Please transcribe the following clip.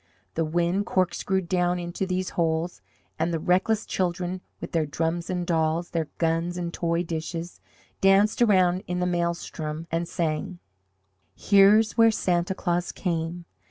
The wind corkscrewed down into these holes, and the reckless children with their drums and dolls, their guns and toy dishes, danced around in the maelstrom and sang: "Here's where Santa Claus came!